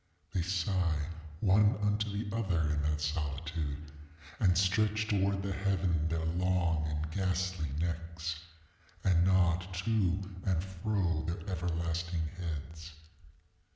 They sigh one unto the other in that solitude, and stretch towards the heaven their long and ghastly necks, and nod to and fro their everlasting heads.